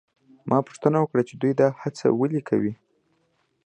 ما پوښتنه وکړه چې دوی دا هڅه ولې کوي؟